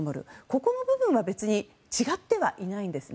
ここの部分は別に違ってはいないんです。